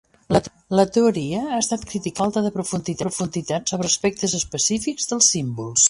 La teoria ha estat criticada per la falta de profunditat sobre aspectes específics dels símbols.